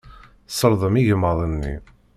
Tselḍem igmaḍ-nni.